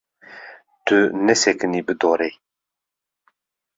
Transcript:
Tu nesekinî bi dorê.